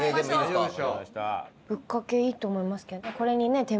ぶっかけいいと思いますけど。